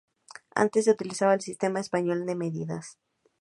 Antes se utilizaba el sistema español de medidas.